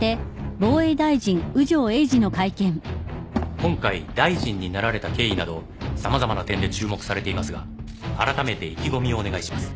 今回大臣になられた経緯など様々な点で注目されていますがあらためて意気込みをお願いします。